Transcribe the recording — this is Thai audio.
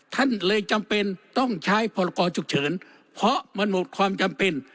ท่านเลยจำเป็นต้องใช้พรกรฉุกเฉินเพราะมันหมดความจำเป็น